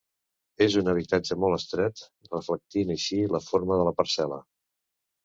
És un habitatge molt estret, reflectint així la forma de la parcel·la.